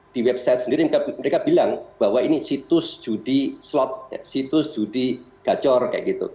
di website sendiri mereka bilang bahwa ini situs judi slot situs judi gacor kayak gitu